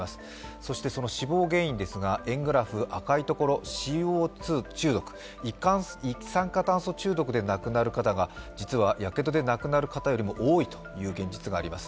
そして死亡原因ですが円グラフの赤いところＣＯ中毒一酸化炭素中毒でなくなる方が実はやけどで亡くなる方より多いという現実があります。